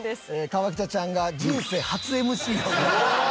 河北ちゃんが人生初ＭＣを。